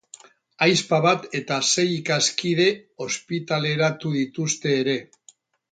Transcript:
Ahizpa bat eta sei ikaskide ospitaleratu dituzte ere.